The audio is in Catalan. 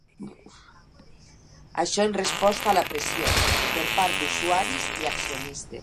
Això en resposta a la pressió per part d'usuaris i accionistes.